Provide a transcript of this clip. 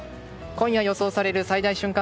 今夜予想される最大瞬間